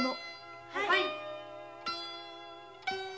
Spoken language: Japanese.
はい。